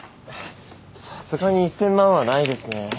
さすがに１，０００万はないですね。